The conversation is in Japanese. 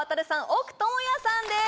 奥智哉さんです